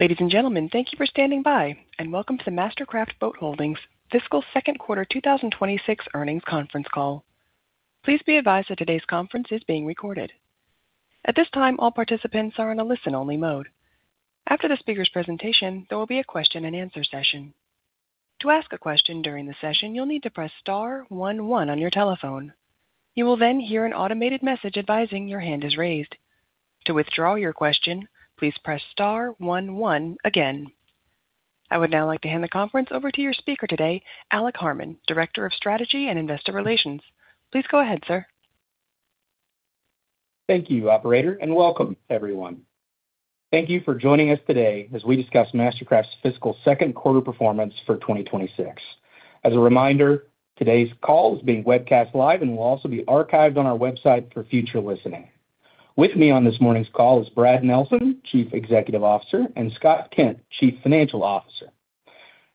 Ladies and gentlemen, thank you for standing by, and welcome to the MasterCraft Boat Holdings Fiscal Second Quarter 2026 earnings conference call. Please be advised that today's conference is being recorded. At this time, all participants are on a listen-only mode. After the speaker's presentation, there will be a question-and-answer session. To ask a question during the session, you'll need to press star one one on your telephone. You will then hear an automated message advising your hand is raised. To withdraw your question, please press star one one again. I would now like to hand the conference over to your speaker today, Alec Harmon, Director of Strategy and Investor Relations. Please go ahead, sir. Thank you, operator, and welcome everyone. Thank you for joining us today as we discuss MasterCraft's fiscal second quarter performance for 2026. As a reminder, today's call is being webcast live and will also be archived on our website for future listening. With me on this morning's call is Brad Nelson, Chief Executive Officer, and Scott Kent, Chief Financial Officer.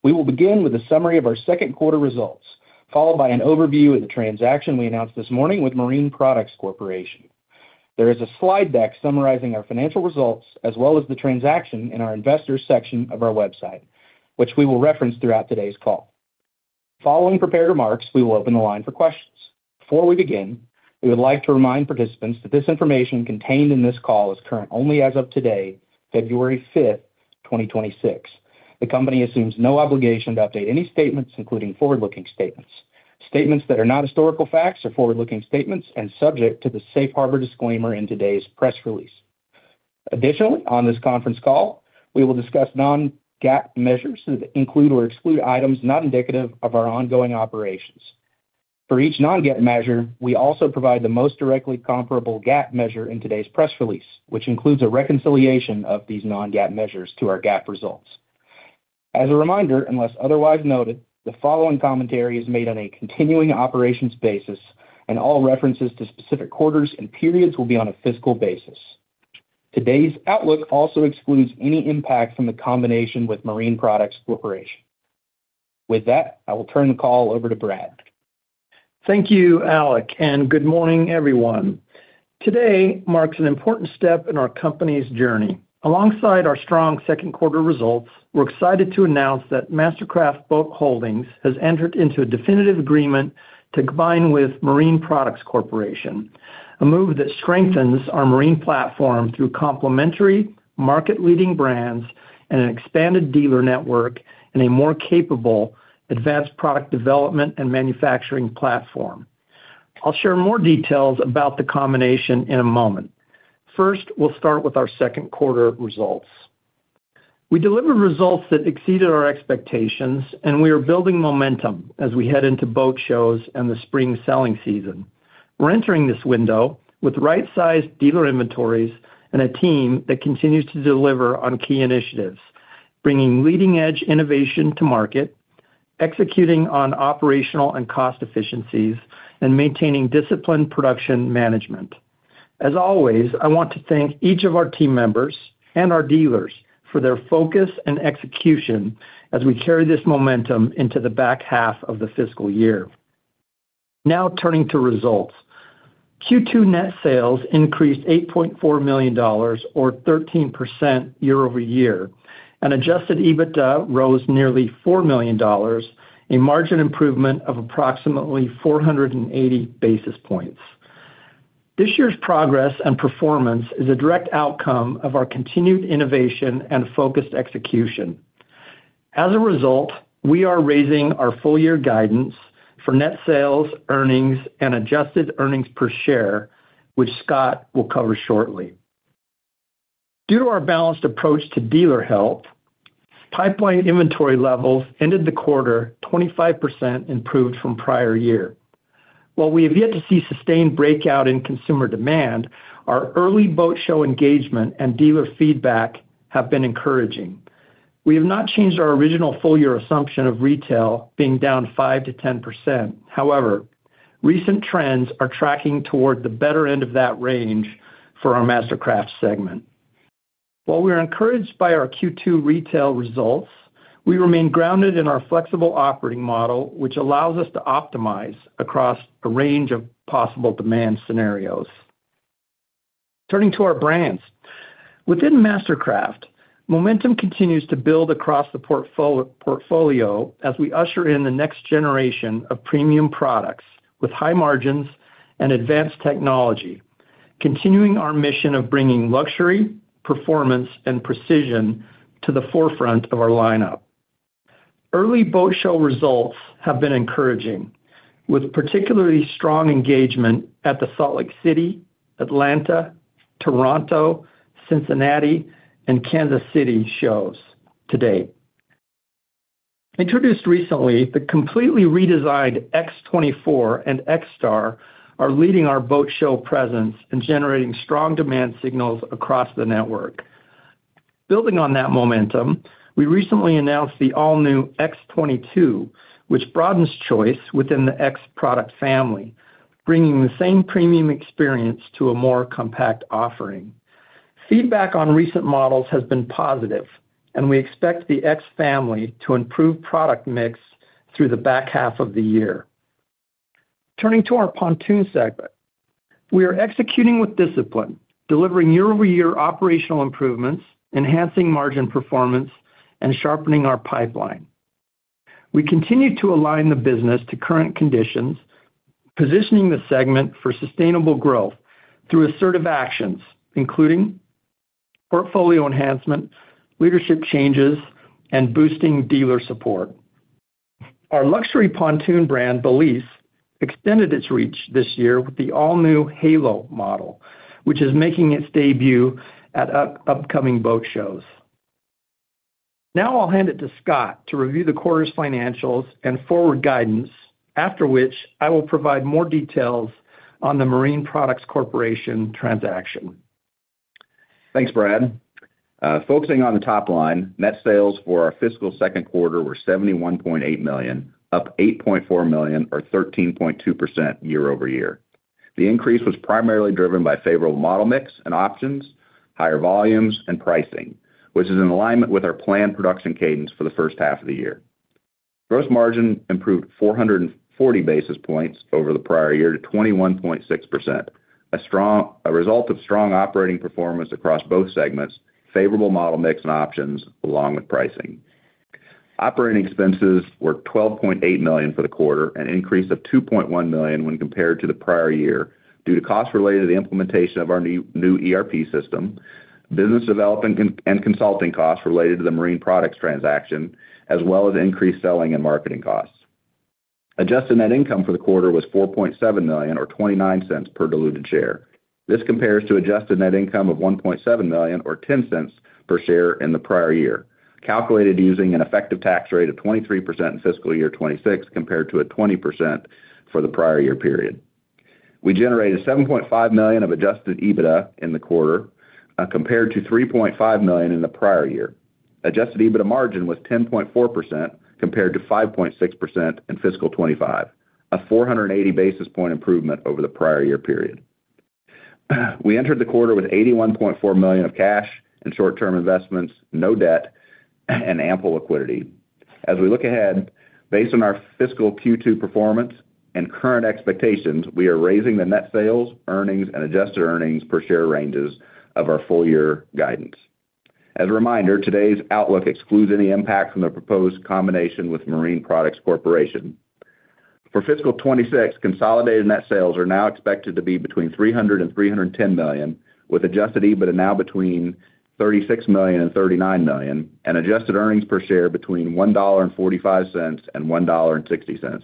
We will begin with a summary of our second quarter results, followed by an overview of the transaction we announced this morning with Marine Products Corporation. There is a slide deck summarizing our financial results, as well as the transaction in our investors section of our website, which we will reference throughout today's call. Following prepared remarks, we will open the line for questions. Before we begin, we would like to remind participants that this information contained in this call is current only as of today, February 5, 2026. The company assumes no obligation to update any statements, including forward-looking statements. Statements that are not historical facts are forward-looking statements and subject to the safe harbor disclaimer in today's press release. Additionally, on this conference call, we will discuss non-GAAP measures that include or exclude items not indicative of our ongoing operations. For each non-GAAP measure, we also provide the most directly comparable GAAP measure in today's press release, which includes a reconciliation of these non-GAAP measures to our GAAP results. As a reminder, unless otherwise noted, the following commentary is made on a continuing operations basis, and all references to specific quarters and periods will be on a fiscal basis. Today's outlook also excludes any impact from the combination with Marine Products Corporation. With that, I will turn the call over to Brad. Thank you, Alec, and good morning, everyone. Today marks an important step in our company's journey. Alongside our strong second quarter results, we're excited to announce that MasterCraft Boat Holdings has entered into a definitive agreement to combine with Marine Products Corporation, a move that strengthens our marine platform through complementary market-leading brands and an expanded dealer network and a more capable advanced product development and manufacturing platform. I'll share more details about the combination in a moment. First, we'll start with our second quarter results. We delivered results that exceeded our expectations, and we are building momentum as we head into boat shows and the spring selling season. We're entering this window with right-sized dealer inventories and a team that continues to deliver on key initiatives, bringing leading-edge innovation to market, executing on operational and cost efficiencies, and maintaining disciplined production management. As always, I want to thank each of our team members and our dealers for their focus and execution as we carry this momentum into the back half of the fiscal year. Now, turning to results. Q2 net sales increased $8.4 million or 13% year-over-year, and adjusted EBITDA rose nearly $4 million, a margin improvement of approximately 480 basis points. This year's progress and performance is a direct outcome of our continued innovation and focused execution. As a result, we are raising our full-year guidance for net sales, earnings, and adjusted earnings per share, which Scott will cover shortly. Due to our balanced approach to dealer health, pipeline inventory levels ended the quarter 25% improved from prior year. While we have yet to see sustained breakout in consumer demand, our early boat show engagement and dealer feedback have been encouraging. We have not changed our original full-year assumption of retail being down 5%-10%. However, recent trends are tracking toward the better end of that range for our MasterCraft segment. While we are encouraged by our Q2 retail results, we remain grounded in our flexible operating model, which allows us to optimize across a range of possible demand scenarios. Turning to our brands. Within MasterCraft, momentum continues to build across the portfolio as we usher in the next generation of premium products with high margins and advanced technology, continuing our mission of bringing luxury, performance, and precision to the forefront of our lineup. Early boat show results have been encouraging, with particularly strong engagement at the Salt Lake City, Atlanta, Toronto, Cincinnati, and Kansas City shows to date. Introduced recently, the completely redesigned X24 and XStar are leading our boat show presence and generating strong demand signals across the network. Building on that momentum, we recently announced the all-new X22, which broadens choice within the X product family, bringing the same premium experience to a more compact offering. Feedback on recent models has been positive, and we expect the X family to improve product mix through the back half of the year.... Turning to our pontoon segment. We are executing with discipline, delivering year-over-year operational improvements, enhancing margin performance, and sharpening our pipeline. We continue to align the business to current conditions, positioning the segment for sustainable growth through assertive actions, including portfolio enhancement, leadership changes, and boosting dealer support. Our luxury pontoon brand, Balise, extended its reach this year with the all-new Halo model, which is making its debut at upcoming boat shows. Now I'll hand it to Scott to review the quarter's financials and forward guidance, after which I will provide more details on the Marine Products Corporation transaction. Thanks, Brad. Focusing on the top line, net sales for our fiscal second quarter were $71.8 million, up $8.4 million or 13.2% year-over-year. The increase was primarily driven by favorable model mix and options, higher volumes, and pricing, which is in alignment with our planned production cadence for the first half of the year. Gross margin improved 440 basis points over the prior year to 21.6%. A strong result of strong operating performance across both segments, favorable model mix and options, along with pricing. Operating expenses were $12.8 million for the quarter, an increase of $2.1 million when compared to the prior year, due to costs related to the implementation of our new ERP system, business development and consulting costs related to the Marine Products transaction, as well as increased selling and marketing costs. Adjusted net income for the quarter was $4.7 million, or $0.29 per diluted share. This compares to adjusted net income of $1.7 million, or $0.10 per share in the prior year, calculated using an effective tax rate of 23% in fiscal year 2026, compared to a 20% for the prior year period. We generated $7.5 million of adjusted EBITDA in the quarter, compared to $3.5 million in the prior year. Adjusted EBITDA margin was 10.4%, compared to 5.6% in fiscal 2025, a 480 basis point improvement over the prior year period. We entered the quarter with $81.4 million of cash and short-term investments, no debt, and ample liquidity. As we look ahead, based on our fiscal Q2 performance and current expectations, we are raising the net sales, earnings, and adjusted earnings per share ranges of our full-year guidance. As a reminder, today's outlook excludes any impact from the proposed combination with Marine Products Corporation. For fiscal 2026, consolidated net sales are now expected to be between $300 million and $310 million, with adjusted EBITDA now between $36 million and $39 million, and adjusted earnings per share between $1.45 and $1.60.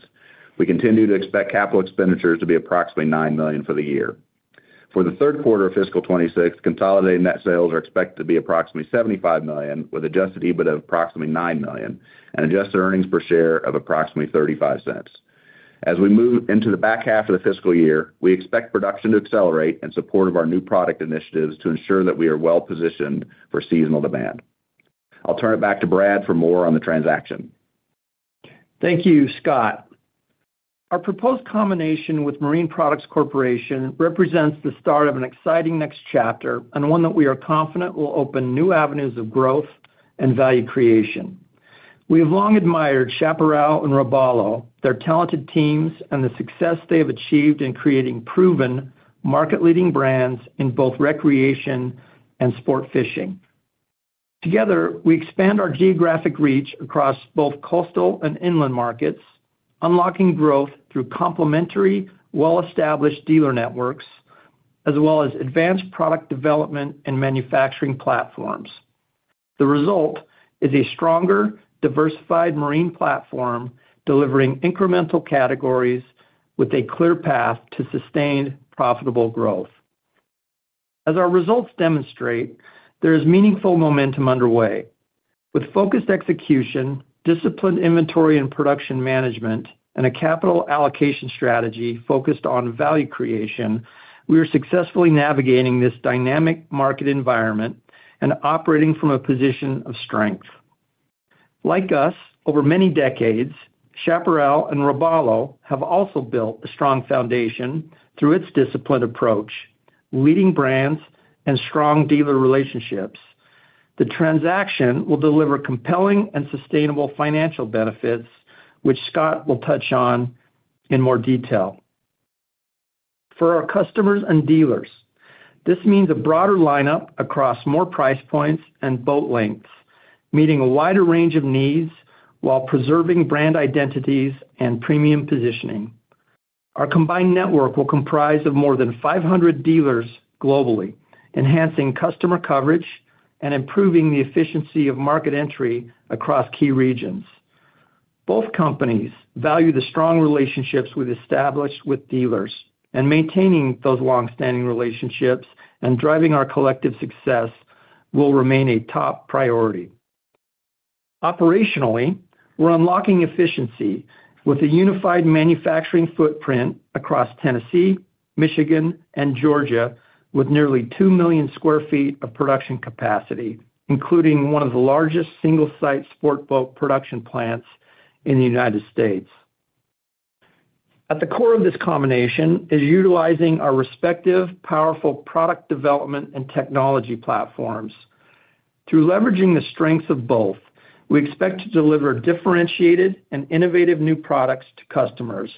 We continue to expect capital expenditures to be approximately $9 million for the year. For the third quarter of fiscal 2026, consolidated net sales are expected to be approximately $75 million, with adjusted EBITDA of approximately $9 million and adjusted earnings per share of approximately $0.35. As we move into the back half of the fiscal year, we expect production to accelerate in support of our new product initiatives to ensure that we are well-positioned for seasonal demand. I'll turn it back to Brad for more on the transaction. Thank you, Scott. Our proposed combination with Marine Products Corporation represents the start of an exciting next chapter and one that we are confident will open new avenues of growth and value creation. We have long admired Chaparral and Robalo, their talented teams, and the success they have achieved in creating proven market-leading brands in both recreation and sport fishing. Together, we expand our geographic reach across both coastal and inland markets, unlocking growth through complementary, well-established dealer networks, as well as advanced product development and manufacturing platforms. The result is a stronger, diversified marine platform, delivering incremental categories with a clear path to sustained, profitable growth. As our results demonstrate, there is meaningful momentum underway. With focused execution, disciplined inventory and production management, and a capital allocation strategy focused on value creation, we are successfully navigating this dynamic market environment and operating from a position of strength. Like us, over many decades, Chaparral and Robalo have also built a strong foundation through its disciplined approach, leading brands, and strong dealer relationships. The transaction will deliver compelling and sustainable financial benefits, which Scott will touch on in more detail. For our customers and dealers, this means a broader lineup across more price points and boat lengths, meeting a wider range of needs while preserving brand identities and premium positioning. Our combined network will comprise of more than 500 dealers globally, enhancing customer coverage and improving the efficiency of market entry across key regions. Both companies value the strong relationships we've established with dealers, and maintaining those long-standing relationships and driving our collective success will remain a top priority. Operationally, we're unlocking efficiency with a unified manufacturing footprint across Tennessee, Michigan, and Georgia, with nearly 2 million sq ft of production capacity, including one of the largest single-site sport boat production plants in the United States. At the core of this combination is utilizing our respective powerful product development and technology platforms.... Through leveraging the strengths of both, we expect to deliver differentiated and innovative new products to customers,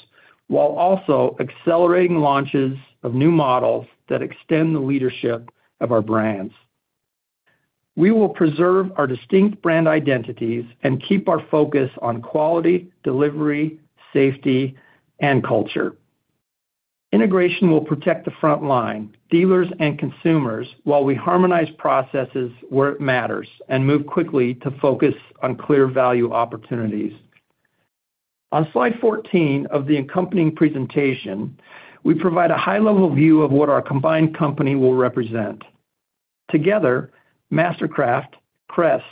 while also accelerating launches of new models that extend the leadership of our brands. We will preserve our distinct brand identities and keep our focus on quality, delivery, safety, and culture. Integration will protect the front line, dealers, and consumers, while we harmonize processes where it matters and move quickly to focus on clear value opportunities. On slide 14 of the accompanying presentation, we provide a high-level view of what our combined company will represent. Together, MasterCraft, Crest,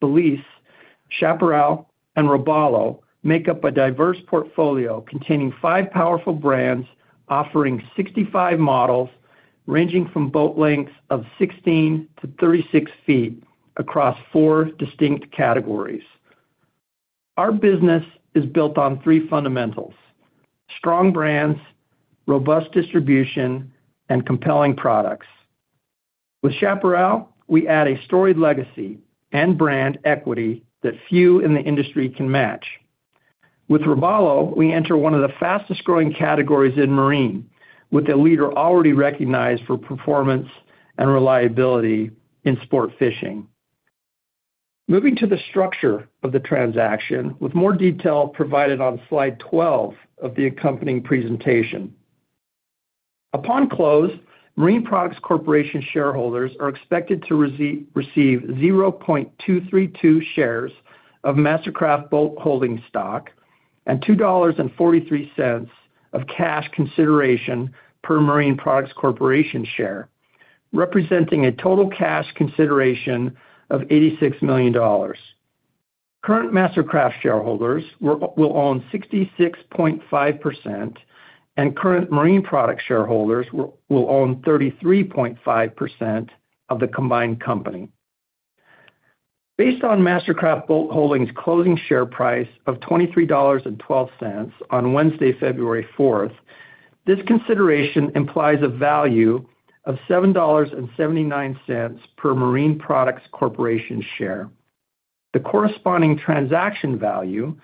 Balise, Chaparral, and Robalo make up a diverse portfolio containing five powerful brands, offering 65 models, ranging from boat lengths of 16-36 feet across four distinct categories. Our business is built on three fundamentals: strong brands, robust distribution, and compelling products. With Chaparral, we add a storied legacy and brand equity that few in the industry can match. With Robalo, we enter one of the fastest-growing categories in marine, with a leader already recognized for performance and reliability in sport fishing. Moving to the structure of the transaction, with more detail provided on slide 12 of the accompanying presentation. Upon close, Marine Products Corporation shareholders are expected to receive 0.232 shares of MasterCraft Boat Holdings stock and $2.43 of cash consideration per Marine Products Corporation share, representing a total cash consideration of $86 million. Current MasterCraft shareholders will own 66.5%, and current Marine Products shareholders will own 33.5% of the combined company. Based on MasterCraft Boat Holdings' closing share price of $23.12 on Wednesday, February 4, this consideration implies a value of $7.79 per Marine Products Corporation share. The corresponding transaction value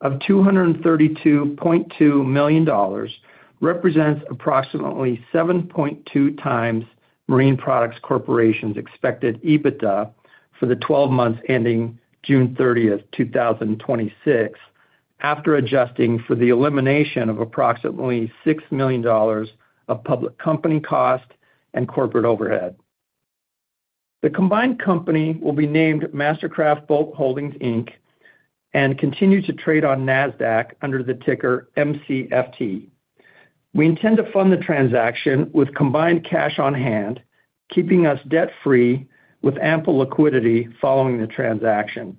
of $232.2 million represents approximately 7.2x Marine Products Corporation's expected EBITDA for the 12 months ending June 30, 2026, after adjusting for the elimination of approximately $6 million of public company cost and corporate overhead. The combined company will be named MasterCraft Boat Holdings, Inc., and continue to trade on NASDAQ under the ticker MCFT. We intend to fund the transaction with combined cash on hand, keeping us debt-free with ample liquidity following the transaction.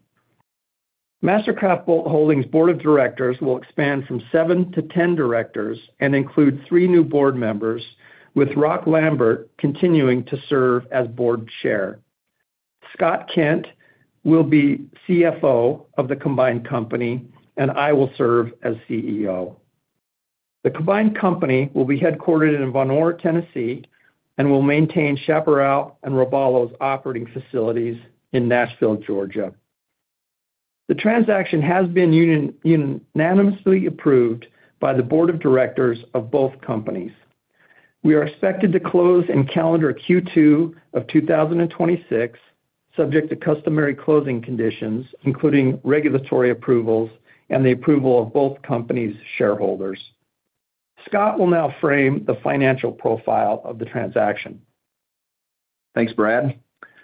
MasterCraft Boat Holdings' board of directors will expand from seven to 10 directors and include three new board members, with Roch Lambert continuing to serve as board chair. Scott Kent will be CFO of the combined company, and I will serve as CEO. The combined company will be headquartered in Vonore, Tennessee, and will maintain Chaparral and Robalo's operating facilities in Nashville, Georgia. The transaction has been unanimously approved by the board of directors of both companies. We are expected to close in calendar Q2 of 2026, subject to customary closing conditions, including regulatory approvals and the approval of both companies' shareholders. Scott will now frame the financial profile of the transaction. Thanks, Brad.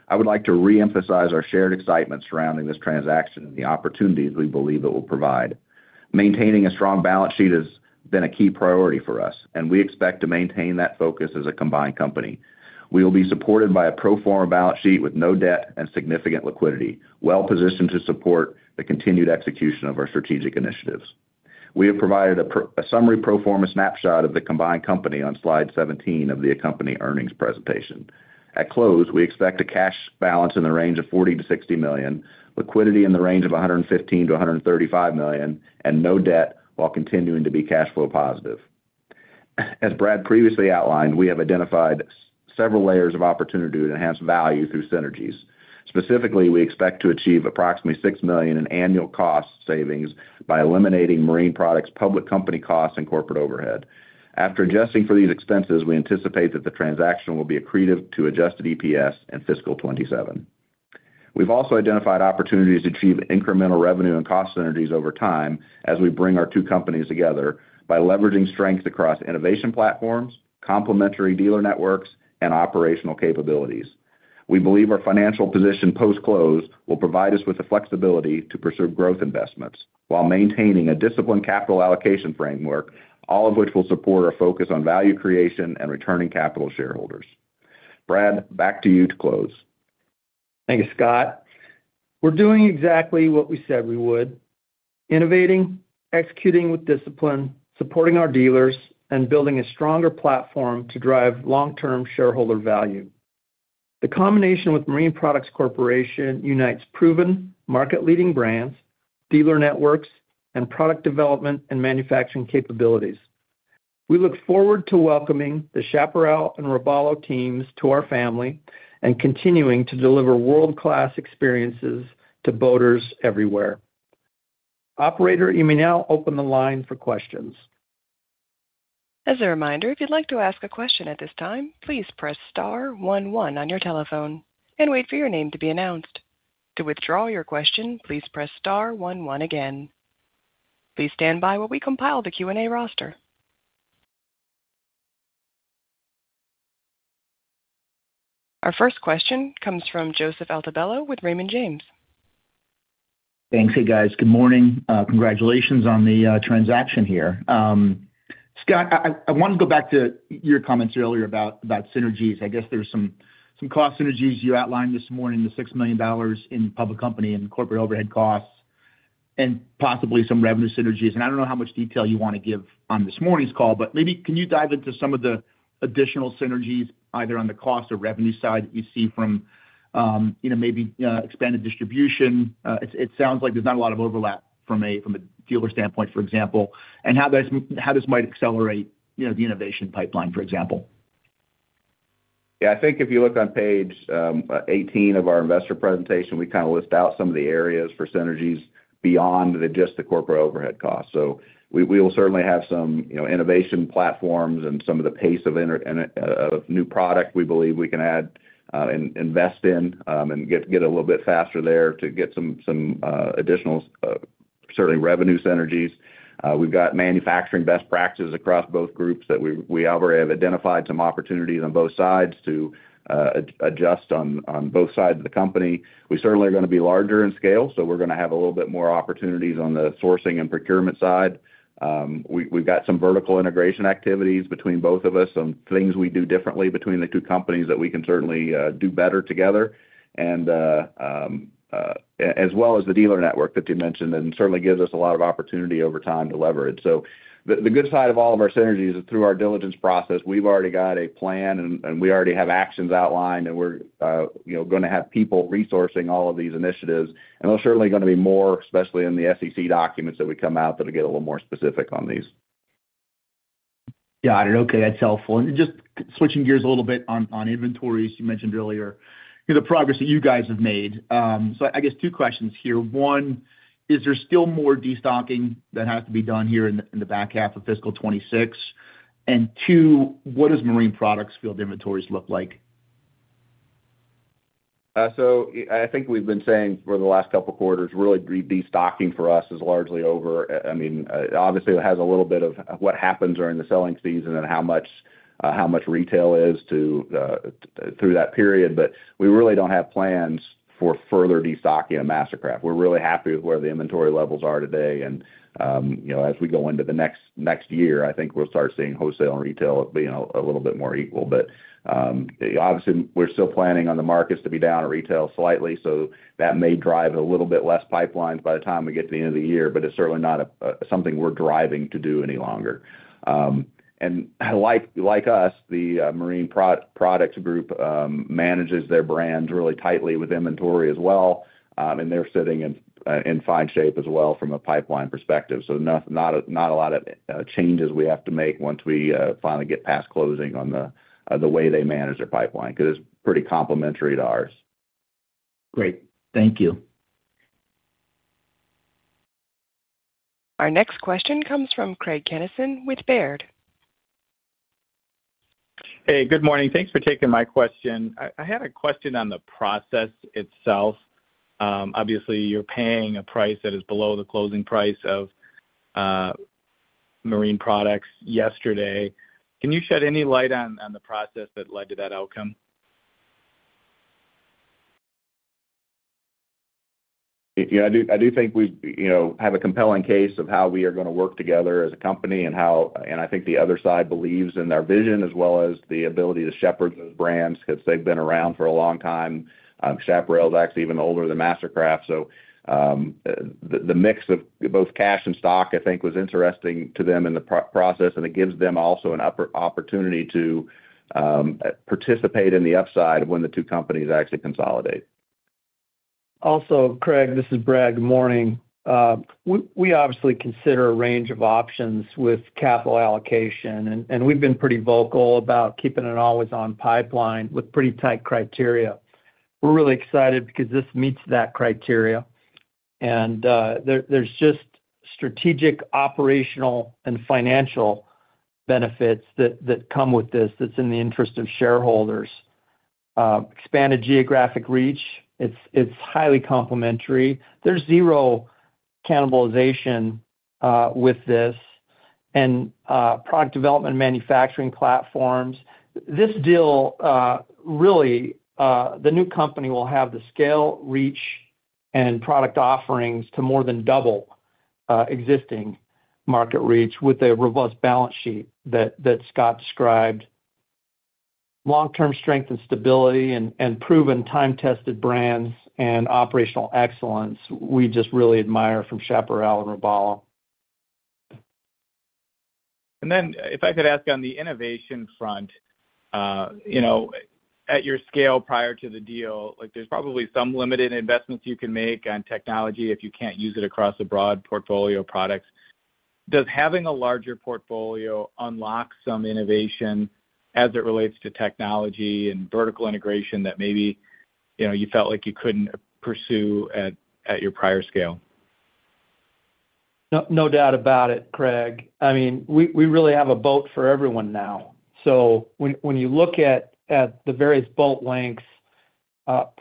I would like to reemphasize our shared excitement surrounding this transaction and the opportunities we believe it will provide. Maintaining a strong balance sheet has been a key priority for us, and we expect to maintain that focus as a combined company. We will be supported by a pro forma balance sheet with no debt and significant liquidity, well-positioned to support the continued execution of our strategic initiatives. We have provided a summary pro forma snapshot of the combined company on slide 17 of the accompanying earnings presentation. At close, we expect a cash balance in the range of $40 million-$60 million, liquidity in the range of $115 million-$135 million, and no debt, while continuing to be cash flow positive. As Brad previously outlined, we have identified several layers of opportunity to enhance value through synergies. Specifically, we expect to achieve approximately $6 million in annual cost savings by eliminating Marine Products' public company costs and corporate overhead. After adjusting for these expenses, we anticipate that the transaction will be accretive to adjusted EPS in fiscal 2027. We've also identified opportunities to achieve incremental revenue and cost synergies over time as we bring our two companies together by leveraging strengths across innovation platforms, complementary dealer networks, and operational capabilities. We believe our financial position post-close will provide us with the flexibility to pursue growth investments while maintaining a disciplined capital allocation framework, all of which will support our focus on value creation and returning capital to shareholders. Brad, back to you to close. Thank you, Scott. We're doing exactly what we said we would: innovating, executing with discipline, supporting our dealers, and building a stronger platform to drive long-term shareholder value. The combination with Marine Products Corporation unites proven, market-leading brands, dealer networks, and product development and manufacturing capabilities... We look forward to welcoming the Chaparral and Robalo teams to our family and continuing to deliver world-class experiences to boaters everywhere. Operator, you may now open the line for questions. As a reminder, if you'd like to ask a question at this time, please press star one one on your telephone and wait for your name to be announced. To withdraw your question, please press star one one again. Please stand by while we compile the Q&A roster. Our first question comes from Joseph Altobello with Raymond James. Thanks. Hey, guys. Good morning. Congratulations on the transaction here. Scott, I want to go back to your comments earlier about synergies. I guess there's some cost synergies you outlined this morning, the $6 million in public company and corporate overhead costs, and possibly some revenue synergies. I don't know how much detail you want to give on this morning's call, but maybe can you dive into some of the additional synergies, either on the cost or revenue side, that you see from, you know, maybe expanded distribution? It sounds like there's not a lot of overlap from a dealer standpoint, for example, and how this might accelerate, you know, the innovation pipeline, for example. Yeah, I think if you look on page 18 of our investor presentation, we kind of list out some of the areas for synergies beyond just the corporate overhead costs. So we will certainly have some, you know, innovation platforms and some of the pace of introduction of new product we believe we can add and invest in and get a little bit faster there to get some additional, certainly, revenue synergies. We've got manufacturing best practices across both groups that we already have identified some opportunities on both sides to adjust on both sides of the company. We certainly are going to be larger in scale, so we're going to have a little bit more opportunities on the sourcing and procurement side. We've got some vertical integration activities between both of us, some things we do differently between the two companies that we can certainly do better together. As well as the dealer network that you mentioned, and certainly gives us a lot of opportunity over time to leverage. So the good side of all of our synergies is, through our diligence process, we've already got a plan and we already have actions outlined, and we're, you know, gonna have people resourcing all of these initiatives. And there's certainly gonna be more, especially in the SEC documents, that we come out that'll get a little more specific on these. Got it. Okay, that's helpful. Just switching gears a little bit on, on inventory, as you mentioned earlier, you know, the progress that you guys have made. So I guess two questions here. One, is there still more destocking that has to be done here in the, in the back half of fiscal 2026? And two, what does Marine Products' field inventories look like? So I think we've been saying for the last couple of quarters, really, restocking for us is largely over. I mean, obviously, it has a little bit of what happens during the selling season and how much retail is to through that period. But we really don't have plans for further destocking at MasterCraft. We're really happy with where the inventory levels are today, and you know, as we go into the next year, I think we'll start seeing wholesale and retail being a little bit more equal. But obviously, we're still planning on the markets to be down at retail slightly, so that may drive a little bit less pipelines by the time we get to the end of the year, but it's certainly not a something we're driving to do any longer. And like us, the Marine Products group manages their brands really tightly with inventory as well, and they're sitting in fine shape as well from a pipeline perspective. So not a lot of changes we have to make once we finally get past closing on the way they manage their pipeline, because it's pretty complementary to ours. Great. Thank you. Our next question comes from Craig Kennison with Baird. Hey, good morning. Thanks for taking my question. I, I had a question on the process itself. Obviously, you're paying a price that is below the closing price of Marine Products yesterday. Can you shed any light on the process that led to that outcome? Yeah, I do, I do think we, you know, have a compelling case of how we are going to work together as a company and how and I think the other side believes in our vision, as well as the ability to shepherd those brands, because they've been around for a long time. Chaparral is actually even older than MasterCraft. So, the mix of both cash and stock, I think, was interesting to them in the process, and it gives them also an opportunity to participate in the upside of when the two companies actually consolidate. Also, Craig, this is Brad. Good morning. We obviously consider a range of options with capital allocation, and we've been pretty vocal about keeping an always-on pipeline with pretty tight criteria. We're really excited because this meets that criteria, and there's just strategic, operational, and financial benefits that come with this that's in the interest of shareholders. Expanded geographic reach, it's highly complementary. There's zero cannibalization with this and product development and manufacturing platforms. This deal really the new company will have the scale, reach, and product offerings to more than double existing market reach with a robust balance sheet that Scott described. Long-term strength and stability and proven time-tested brands and operational excellence, we just really admire from Chaparral and Robalo. If I could ask on the innovation front... you know, at your scale prior to the deal, like, there's probably some limited investments you can make on technology if you can't use it across a broad portfolio of products. Does having a larger portfolio unlock some innovation as it relates to technology and vertical integration that maybe, you know, you felt like you couldn't pursue at your prior scale? No, no doubt about it, Craig. I mean, we really have a boat for everyone now. So when you look at the various boat lengths,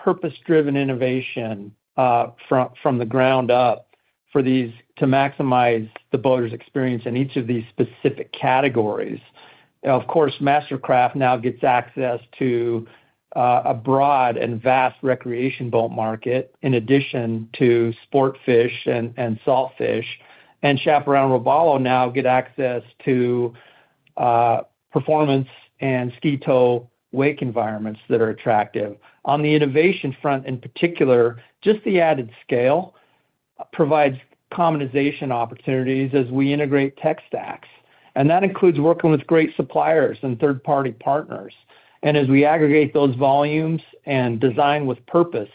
purpose-driven innovation from the ground up for these to maximize the boater's experience in each of these specific categories. Of course, MasterCraft now gets access to a broad and vast recreation boat market, in addition to sportfish and salt fish. And Chaparral Robalo now get access to performance and ski tow wake environments that are attractive. On the innovation front, in particular, just the added scale provides commonization opportunities as we integrate tech stacks, and that includes working with great suppliers and third-party partners. And as we aggregate those volumes and design with purpose,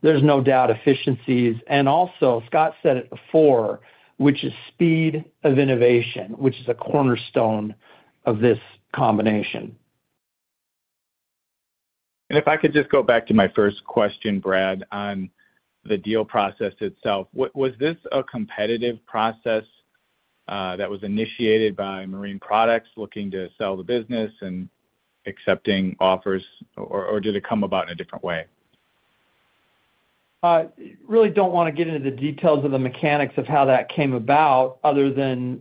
there's no doubt efficiencies. And also, Scott said it before, which is speed of innovation, which is a cornerstone of this combination. If I could just go back to my first question, Brad, on the deal process itself. What was this a competitive process that was initiated by Marine Products looking to sell the business and accepting offers, or, or did it come about in a different way? I really don't want to get into the details of the mechanics of how that came about, other than,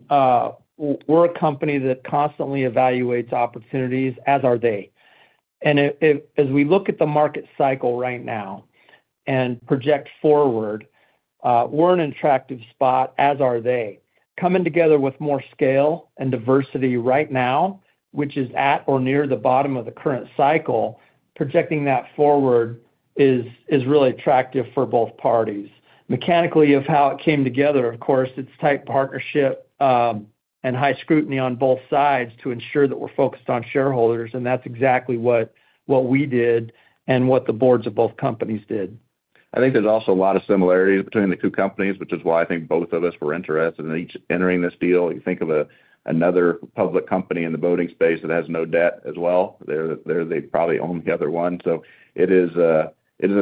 we're a company that constantly evaluates opportunities, as are they. And if, as we look at the market cycle right now and project forward, we're in an attractive spot, as are they. Coming together with more scale and diversity right now, which is at or near the bottom of the current cycle, projecting that forward is really attractive for both parties. Mechanically, of how it came together, of course, it's tight partnership, and high scrutiny on both sides to ensure that we're focused on shareholders, and that's exactly what we did and what the boards of both companies did. I think there's also a lot of similarities between the two companies, which is why I think both of us were interested in each entering this deal. You think of another public company in the boating space that has no debt as well, they're probably own the other one. So it is a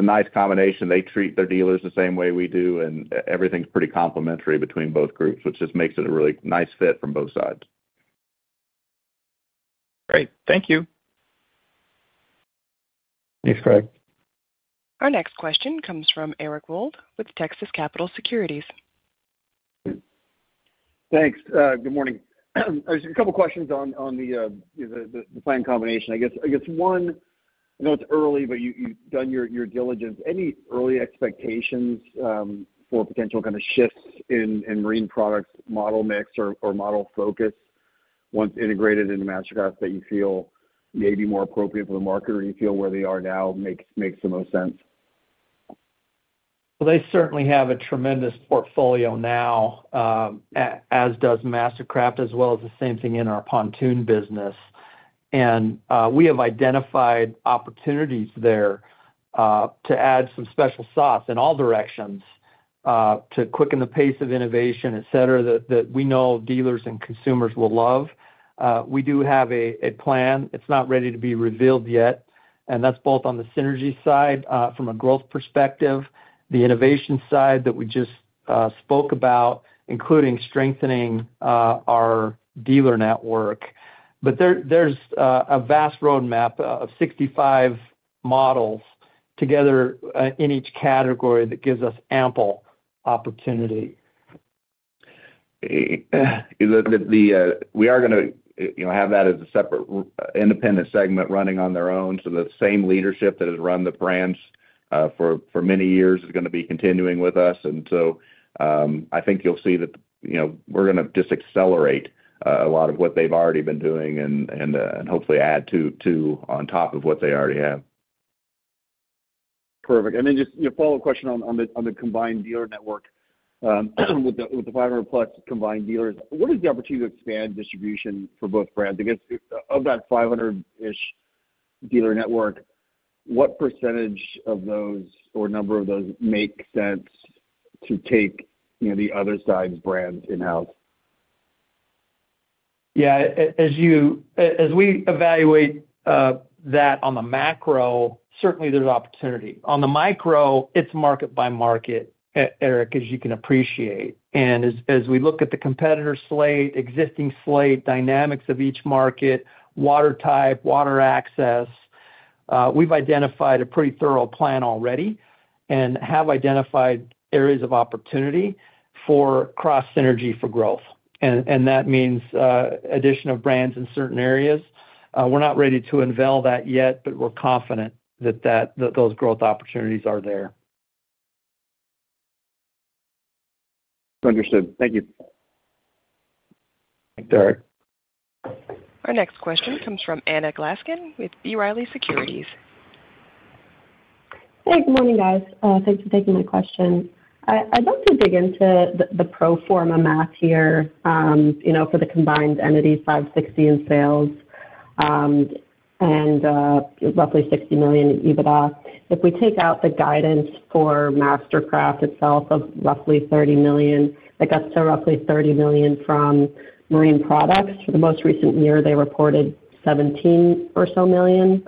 nice combination. They treat their dealers the same way we do, and everything's pretty complementary between both groups, which just makes it a really nice fit from both sides. Great. Thank you. Thanks, Craig. Our next question comes from Eric Wold with Texas Capital Securities. Thanks. Good morning. Just a couple questions on the planned combination. I guess one, I know it's early, but you've done your diligence. Any early expectations for potential kind of shifts in Marine Products' model mix or model focus once integrated into MasterCraft, that you feel may be more appropriate for the market, or you feel where they are now makes the most sense? Well, they certainly have a tremendous portfolio now, as does MasterCraft, as well as the same thing in our pontoon business. We have identified opportunities there, to add some special sauce in all directions, to quicken the pace of innovation, et cetera, that we know dealers and consumers will love. We do have a plan. It's not ready to be revealed yet, and that's both on the synergy side, from a growth perspective, the innovation side that we just spoke about, including strengthening our dealer network. But there's a vast roadmap of 65 models together, in each category that gives us ample opportunity. The, we are gonna, you know, have that as a separate independent segment running on their own. So the same leadership that has run the brands, for many years is gonna be continuing with us. And so, I think you'll see that, you know, we're gonna just accelerate a lot of what they've already been doing and hopefully add to on top of what they already have. Perfect. And then just, you know, a follow-up question on the, on the combined dealer network. With the, with the 500-plus combined dealers, what is the opportunity to expand distribution for both brands? I guess, of that 500-ish dealer network, what percentage of those or number of those make sense to take, you know, the other side's brands in-house? Yeah. As we evaluate that on the macro, certainly there's opportunity. On the micro, it's market by market, Eric, as you can appreciate. And as we look at the competitor slate, existing slate, dynamics of each market, water type, water access, we've identified a pretty thorough plan already and have identified areas of opportunity for cross-synergy for growth. And that means addition of brands in certain areas. We're not ready to unveil that yet, but we're confident that that those growth opportunities are there. Understood. Thank you. Thanks, Eric. Our next question comes from Anna Glaessgen with B. Riley Securities. Hey, good morning, guys. Thanks for taking my question. I'd love to dig into the pro forma math here, you know, for the combined entity, $560 million in sales, and roughly $60 million EBITDA. If we take out the guidance for MasterCraft itself of roughly $30 million, that gets to roughly $30 million from Marine Products. For the most recent year, they reported $17 million or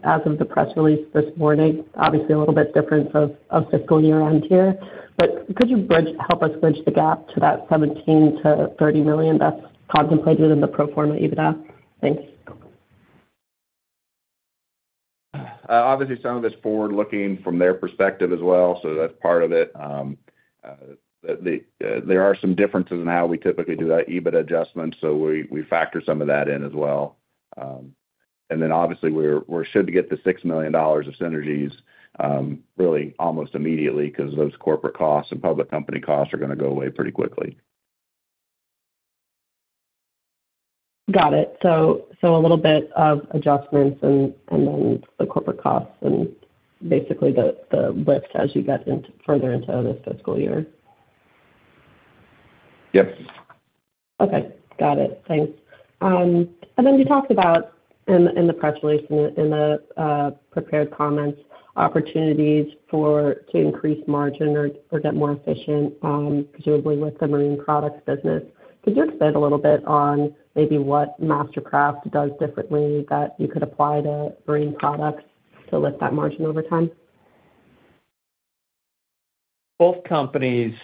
so as of the press release this morning. Obviously, a little bit different of fiscal year-end here, but could you bridge, help us bridge the gap to that $17 million-$30 million that's contemplated in the pro forma EBITDA? Thanks. Obviously, some of it's forward-looking from their perspective as well, so that's part of it. There are some differences in how we typically do our EBITDA adjustments, so we factor some of that in as well. And then obviously, we should get the $6 million of synergies, really almost immediately, 'cause those corporate costs and public company costs are going to go away pretty quickly. Got it. So, a little bit of adjustments and then the corporate costs and basically the lift as you get into further into this fiscal year. Yes. Okay. Got it. Thanks. And then you talked about in the press release, in the prepared comments, opportunities to increase margin or get more efficient, presumably with the Marine Products business. Could you expand a little bit on maybe what MasterCraft does differently that you could apply to Marine Products to lift that margin over time? Both companies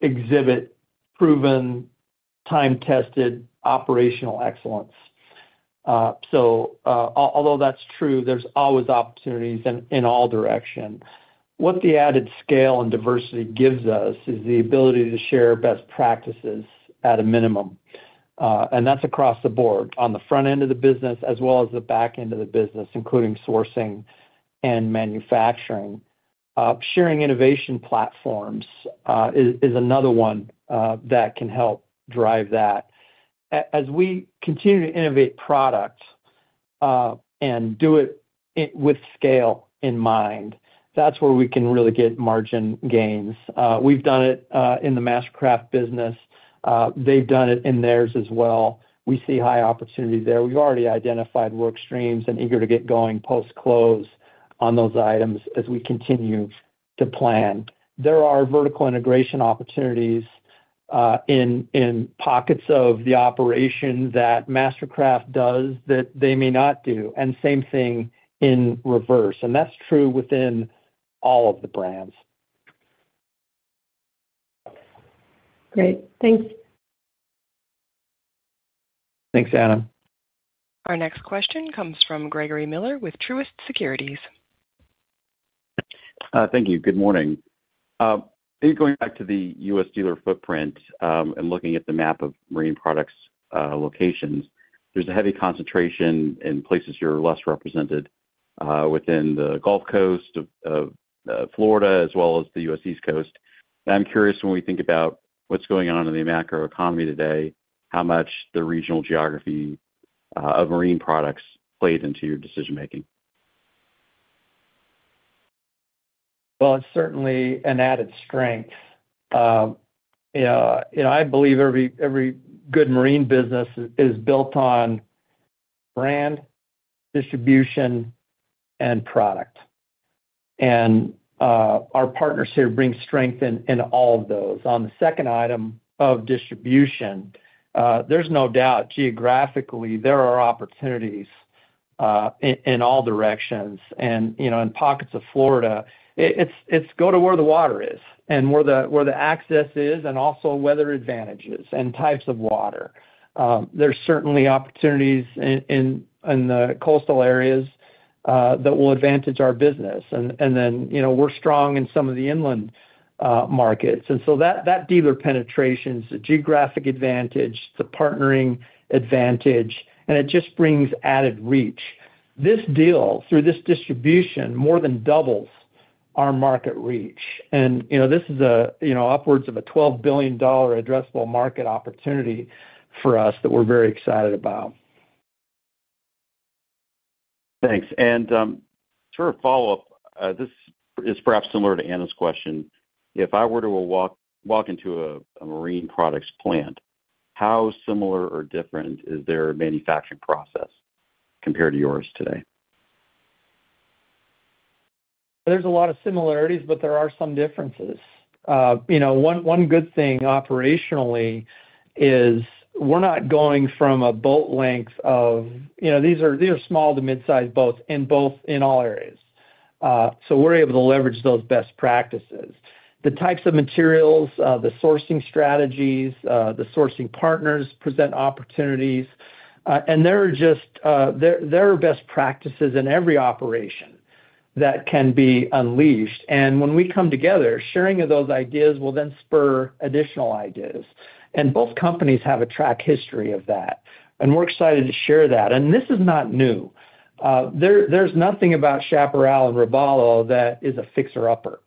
exhibit proven, time-tested operational excellence. So, although that's true, there's always opportunities in all directions. What the added scale and diversity gives us is the ability to share best practices at a minimum, and that's across the board, on the front end of the business as well as the back end of the business, including sourcing and manufacturing. Sharing innovation platforms is another one that can help drive that. As we continue to innovate products, and do it with scale in mind, that's where we can really get margin gains. We've done it in the MasterCraft business. They've done it in theirs as well. We see high opportunity there. We've already identified work streams and eager to get going post-close on those items as we continue to plan. There are vertical integration opportunities, in pockets of the operation that MasterCraft does that they may not do, and same thing in reverse, and that's true within all of the brands. Great. Thanks. Thanks, Anna. Our next question comes from Gregory Miller with Truist Securities. Thank you. Good morning. Going back to the U.S. dealer footprint, and looking at the map of Marine Products locations, there's a heavy concentration in places you're less represented within the Gulf Coast of Florida, as well as the U.S. East Coast. I'm curious, when we think about what's going on in the macroeconomy today, how much the regional geography of Marine Products plays into your decision-making? Well, it's certainly an added strength. You know, I believe every good marine business is built on brand, distribution, and product. And our partners here bring strength in all of those. On the second item of distribution, there's no doubt, geographically, there are opportunities in all directions and, you know, in pockets of Florida. It's go to where the water is and where the access is, and also weather advantages and types of water. There's certainly opportunities in the coastal areas that will advantage our business. And then, you know, we're strong in some of the inland markets. And so that dealer penetration is a geographic advantage, it's a partnering advantage, and it just brings added reach. This deal, through this distribution, more than doubles our market reach. You know, this is a, you know, upwards of a $12 billion addressable market opportunity for us that we're very excited about. Thanks. And, sort of a follow-up, this is perhaps similar to Anna's question. If I were to walk into a Marine Products plant, how similar or different is their manufacturing process compared to yours today? There's a lot of similarities, but there are some differences. You know, one good thing operationally is we're not going from a boat length of... You know, these are, they are small to mid-size boats in both, in all areas, so we're able to leverage those best practices. The types of materials, the sourcing strategies, the sourcing partners present opportunities, and there are just, there are best practices in every operation that can be unleashed. And when we come together, sharing of those ideas will then spur additional ideas. And both companies have a track history of that, and we're excited to share that. And this is not new. There's nothing about Chaparral and Robalo that is a fixer-upper.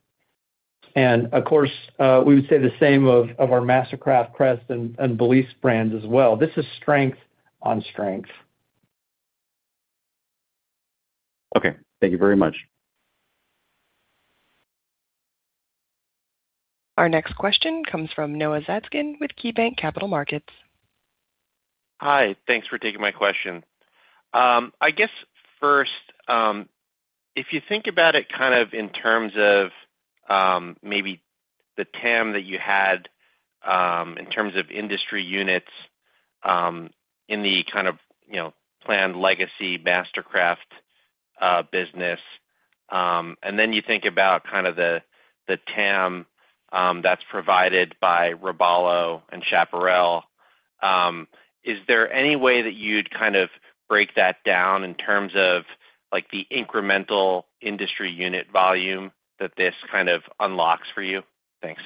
And of course, we would say the same of our MasterCraft, Crest, and Balise brands as well. This is strength on strength. Okay. Thank you very much. Our next question comes from Noah Zatzkin with KeyBanc Capital Markets. Hi, thanks for taking my question. I guess first, if you think about it kind of in terms of, maybe the TAM that you had, in terms of industry units, in the kind of, you know, planned legacy MasterCraft, business, and then you think about kind of the, the TAM, that's provided by Robalo and Chaparral, is there any way that you'd kind of break that down in terms of, like, the incremental industry unit volume that this kind of unlocks for you? Thanks.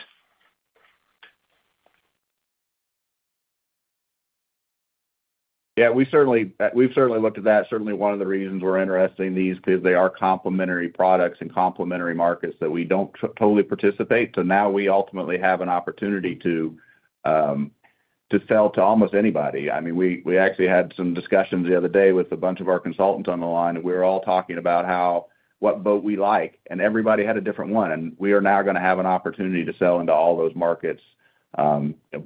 Yeah, we certainly. We've certainly looked at that. Certainly one of the reasons we're interested in these, because they are complementary products and complementary markets that we don't totally participate. So now we ultimately have an opportunity to sell to almost anybody. I mean, we actually had some discussions the other day with a bunch of our consultants on the line, and we were all talking about what boat we like, and everybody had a different one. And we are now going to have an opportunity to sell into all those markets,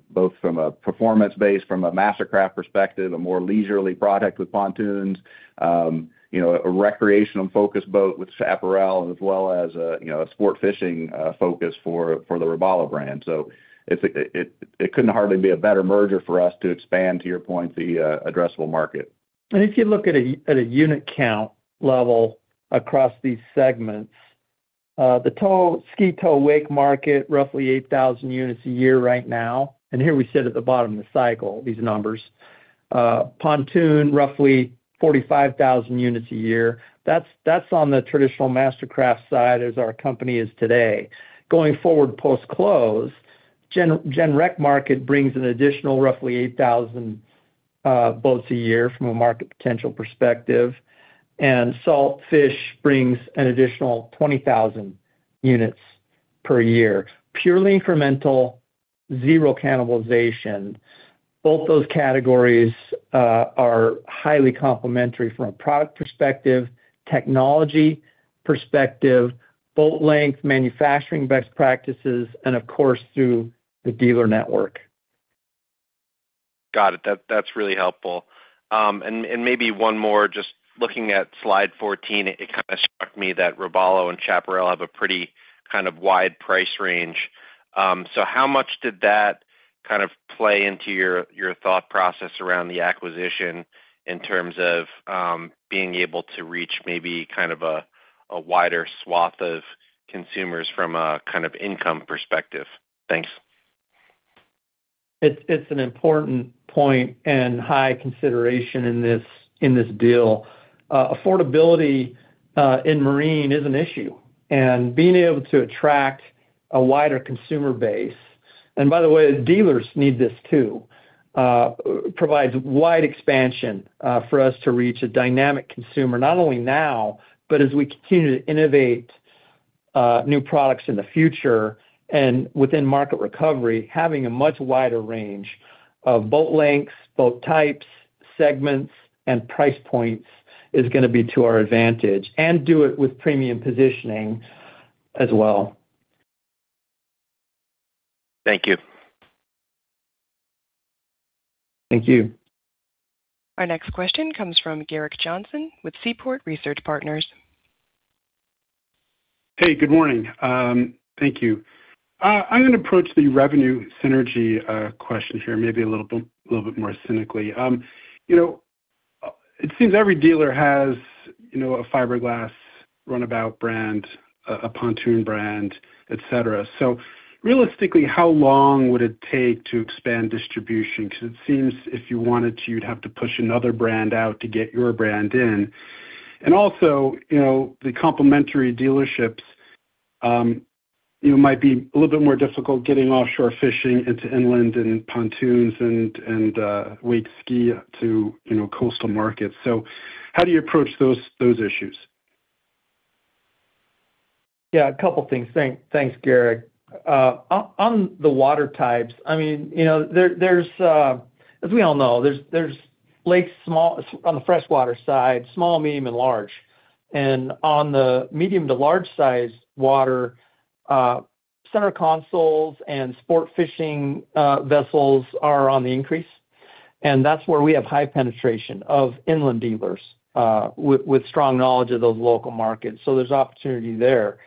both from a performance base, from a MasterCraft perspective, a more leisurely product with pontoons, you know, a recreational focus boat with Chaparral, as well as a, you know, a sport fishing focus for the Robalo brand. So it couldn't hardly be a better merger for us to expand, to your point, the addressable market. If you look at a unit count level across these segments, the tow, ski tow wake market, roughly 8,000 units a year right now, and here we sit at the bottom of the cycle, these numbers. Pontoon, roughly 45,000 units a year. That's on the traditional MasterCraft side, as our company is today. Going forward, post-close, gen rec market brings an additional roughly 8,000 boats a year from a market potential perspective, and salt fish brings an additional 20,000 units per year. Purely incremental, zero cannibalization. Both those categories are highly complementary from a product perspective, technology perspective, boat length, manufacturing best practices, and of course, through the dealer network. Got it. That's really helpful. And maybe one more, just looking at slide 14, it kind of struck me that Robalo and Chaparral have a pretty kind of wide price range. So how much did that kind of play into your thought process around the acquisition in terms of being able to reach maybe kind of a wider swath of consumers from a kind of income perspective? Thanks. It's an important point and high consideration in this deal. Affordability in marine is an issue, and being able to attract a wider consumer base, and by the way, dealers need this too, provides wide expansion for us to reach a dynamic consumer, not only now, but as we continue to innovate new products in the future and within market recovery, having a much wider range of boat lengths, boat types, segments, and price points is going to be to our advantage, and do it with premium positioning as well. Thank you. Thank you. Our next question comes from Gerrick Johnson with Seaport Research Partners. Hey, good morning. Thank you. I'm going to approach the revenue synergy question here maybe a little bit, little bit more cynically. You know, it seems every dealer has, you know, a fiberglass runabout brand, a pontoon brand, et cetera. So realistically, how long would it take to expand distribution? Because it seems if you wanted to, you'd have to push another brand out to get your brand in. And also, you know, the complementary dealerships, you know, might be a little bit more difficult getting offshore fishing into inland and pontoons and wake ski to, you know, coastal markets. So how do you approach those, those issues? Yeah, a couple things. Thank, thanks, Gerrick. On the water types, I mean, you know, there, there's, as we all know, there's lakes, small—on the freshwater side, small, medium, and large. And on the medium to large size water, center consoles and sport fishing vessels are on the increase, and that's where we have high penetration of inland dealers, with strong knowledge of those local markets. So there's opportunity there.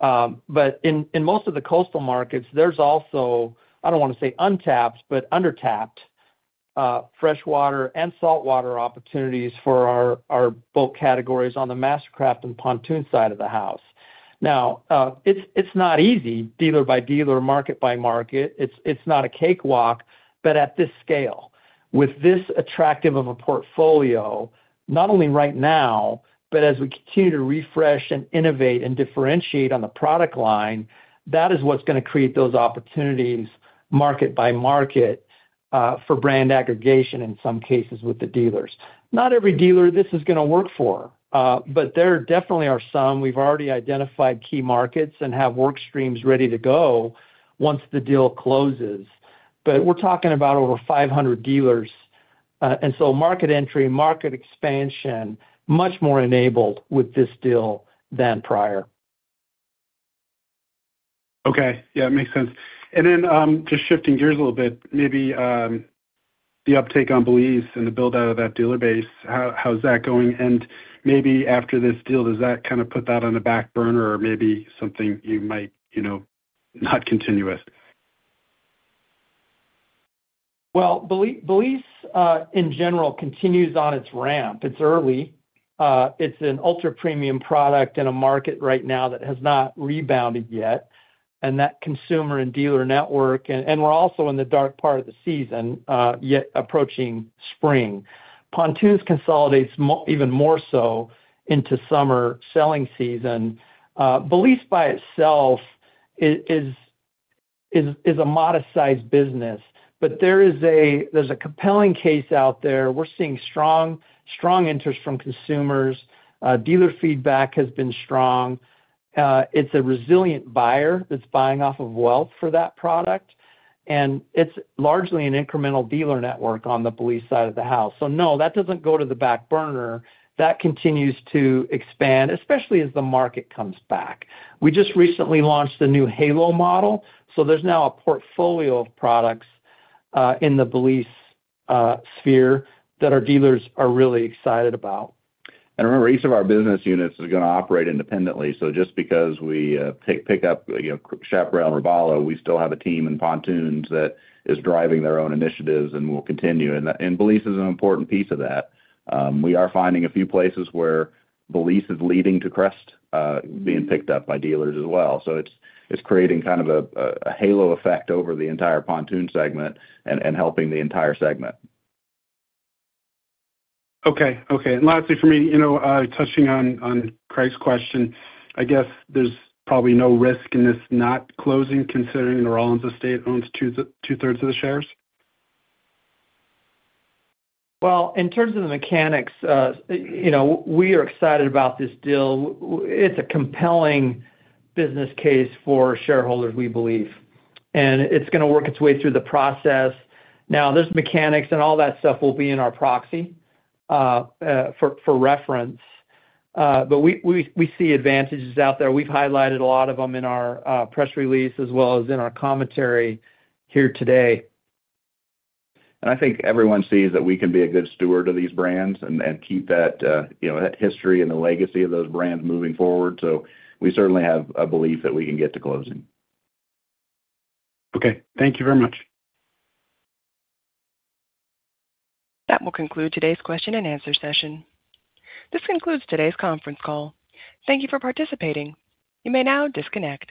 But in most of the coastal markets, there's also, I don't want to say untapped, but under-tapped, freshwater and saltwater opportunities for our boat categories on the MasterCraft and pontoon side of the house. Now, it's not easy, dealer by dealer, market by market. It's not a cakewalk, but at this scale, with this attractive of a portfolio, not only right now, but as we continue to refresh and innovate and differentiate on the product line, that is what's going to create those opportunities, market by market, for brand aggregation, in some cases with the dealers. Not every dealer this is going to work for, but there definitely are some. We've already identified key markets and have work streams ready to go once the deal closes. But we're talking about over 500 dealers. And so market entry, market expansion, much more enabled with this deal than prior. Okay. Yeah, it makes sense. And then, just shifting gears a little bit, maybe, the uptake on Balise and the build-out of that dealer base, how, how is that going? And maybe after this deal, does that kind of put that on the back burner or maybe something you might, you know, not continue with? Well, Balise, in general, continues on its ramp. It's early. It's an ultra-premium product in a market right now that has not rebounded yet, and that consumer and dealer network. And we're also in the dark part of the season, yet approaching spring. Pontoons consolidate even more so into summer selling season. Balise by itself is a modest-sized business, but there is a compelling case out there. We're seeing strong, strong interest from consumers. Dealer feedback has been strong. It's a resilient buyer that's buying off of wealth for that product, and it's largely an incremental dealer network on the Balise side of the house. So no, that doesn't go to the back burner. That continues to expand, especially as the market comes back. We just recently launched the new Halo model, so there's now a portfolio of products in the Balise sphere that our dealers are really excited about. And remember, each of our business units is going to operate independently, so just because we pick up, you know, Chaparral and Robalo, we still have a team in pontoons that is driving their own initiatives and will continue. And Balise is an important piece of that. We are finding a few places where Balise is leading to Crest being picked up by dealers as well. So it's creating kind of a halo effect over the entire pontoon segment and helping the entire segment. Okay. Okay, and lastly, for me, you know, touching on Craig's question, I guess there's probably no risk in this not closing, considering the Rollins family owns 2/3 of the shares? Well, in terms of the mechanics, you know, we are excited about this deal. It's a compelling business case for shareholders, we believe, and it's going to work its way through the process. Now, there's mechanics, and all that stuff will be in our proxy, for reference, but we see advantages out there. We've highlighted a lot of them in our press release as well as in our commentary here today. And I think everyone sees that we can be a good steward of these brands and keep that, you know, that history and the legacy of those brands moving forward. So we certainly have a belief that we can get to closing. Okay. Thank you very much. That will conclude today's question and answer session. This concludes today's conference call. Thank you for participating. You may now disconnect.